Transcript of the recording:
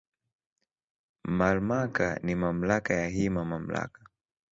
"Malmaka ni, mamlaka ni hima mamlaka"